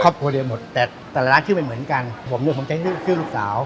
ตัวเดียวหมดแต่แต่ละร้านชื่อไม่เหมือนกันผมเนี่ยผมใช้ชื่อลูกสาว